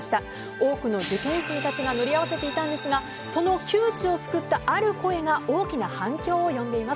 多くの受験生たちが乗り合わせていたんですがその窮地を救ったある声が大きな反響を呼んでいます。